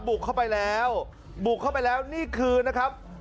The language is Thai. บุกเข้าไปแล้วบุกเข้าไปแล้วนี่คือนะครับ